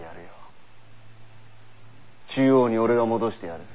中央に俺が戻してやる。